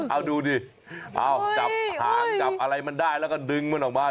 เอาดูดิเอาจับหางจับอะไรมันได้แล้วก็ดึงมันออกมา